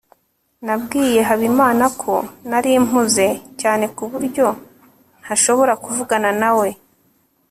nabwiye habimana ko nari mpuze cyane kuburyo ntashobora kuvugana nawe